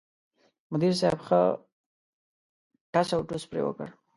مدیر صاحب ښه ټس اوټوس پرې وکړ.